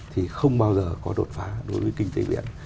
thì không bao giờ có đột phá đối với kinh tế biển